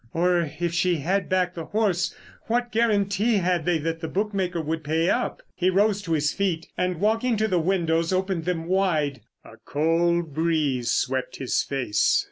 Or, if she had backed the horse, what guarantee had they that the bookmaker would pay up? He rose to his feet, and walking to the windows opened them wide. A cold breeze swept his face.